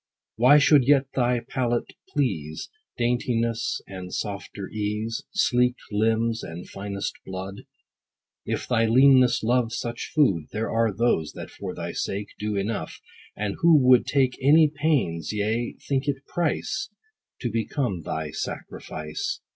What should yet thy palate please ? Daintiness, and softer ease, Sleeked limbs, and finest blood ? If thy leanness love such food, There are those, that for thy sake, Do enough ; and who would take Any pains : yea, think it price, To become thy sacrifice.